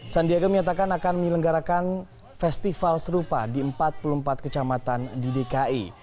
sandiaga menyatakan akan menyelenggarakan festival serupa di empat puluh empat kecamatan di dki